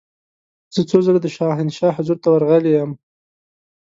زه څو ځله د شاهنشاه حضور ته ورغلې یم.